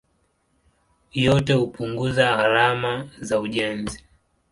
Yote hupunguza gharama za ujenzi.